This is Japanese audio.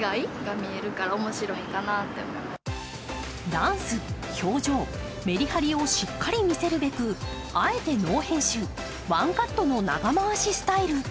ダンス、表情、メリハリをしっかり見せるべくあえてノー編集、ワンカットの長回しスタイル。